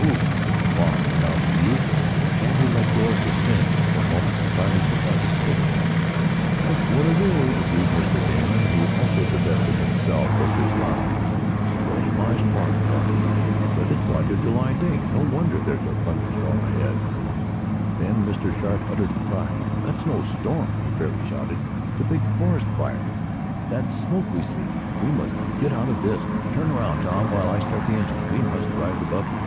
"Whew! It's getting warm," suddenly announced the youth, and he let go of the steering wheel for a moment, while he took off his coat. "That's what it is," agreed Mr. Damon, who also divested himself of his garments. "Bless my spark plug, but it's like a July day. No wonder there's a thunderstorm ahead." Then Mr. Sharp uttered a cry. "That's no storm!" he fairly shouted. "It's a big forest fire! That's smoke we see! We must get out of this. Turn around Tom, while I start the engine. We must rise above it!"